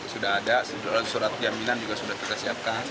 sudah ada surat jaminan juga sudah kita siapkan